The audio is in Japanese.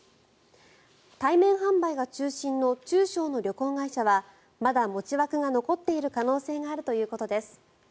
対面販売が中心の中小の旅行会社はまだ持ち枠が残っている可能性があるということです。